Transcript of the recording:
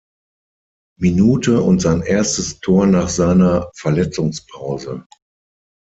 Minute und sein erstes Tor nach seiner Verletzungspause.